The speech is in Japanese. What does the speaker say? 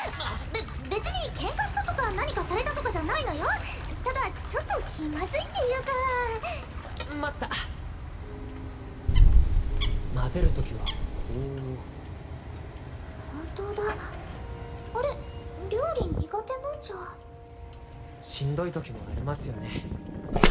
べっ別にケンカしたとか何かされたとかじゃないのよただちょっと気まずいっていうか待ったまぜる時はこう本当だあれ料理苦手なんじゃしんどい時もありますよね